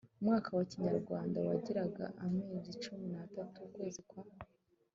umwaka wa kinyarwanda wagiraga amezi cumi n'atatu. ukwezi kwa